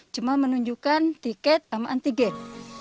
cuma menunjukkan tiket sama antigen